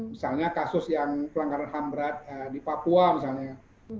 misalnya kasus yang pelanggaran ham berat di papua misalnya